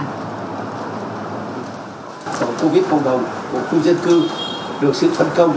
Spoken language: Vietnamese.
tổ covid cộng đồng của khu dân cư được xuyên phân công